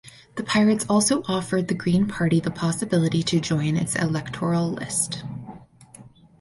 The Pirates also offered the Green Party the possibility to join its electoral list.